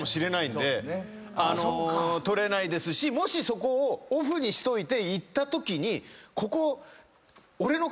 取れないですしもしそこをオフにしといて行ったときにここ。